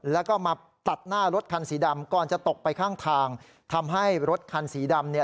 แล้วก็มาตัดหน้ารถคันสีดำก่อนจะตกไปข้างทางทำให้รถคันสีดำเนี่ย